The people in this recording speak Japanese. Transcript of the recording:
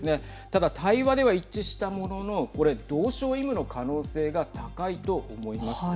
しかし、対話では一致したもののこれ、同床異夢の可能性が高いと言えます。